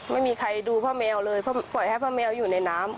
ไม่มีใครดูพ่อแมวเลยเพราะปล่อยให้พ่อแมวอยู่ในน้ำ